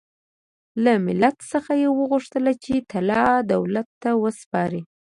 له ملت څخه یې وغوښتل چې طلا دولت ته وسپاري.